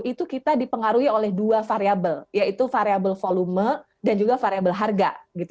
itu kita dipengaruhi oleh dua variabel yaitu variabel volume dan juga variabel harga